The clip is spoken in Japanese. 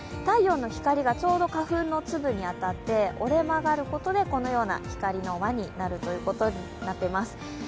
太陽の光がちょうど花粉の粒に当たって折れ曲がることでこのような光の輪になっています。